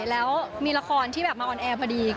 แล้วมีละครที่แบบมาออนแอร์พอดี